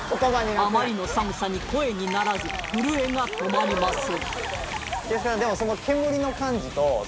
あまりの寒さに声にならず震えが止まりません